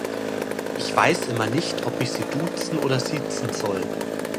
Ich weiß immer nicht, ob ich sie duzen oder siezen soll.